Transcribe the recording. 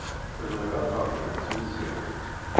Bɣiɣ ad teṛjumt Meẓyan.